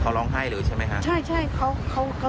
ยากเลยยากเลยใช่ยากเลย